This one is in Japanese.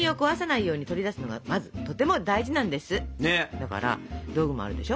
だから道具もあるでしょ？